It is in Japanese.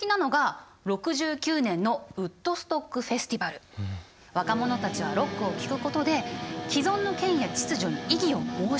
代表的なのが若者たちはロックを聴くことで既存の権威や秩序に異議を申し立てたわけよ。